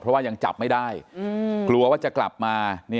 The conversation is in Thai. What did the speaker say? เพราะว่ายังจับไม่ได้กลัวว่าจะกลับมา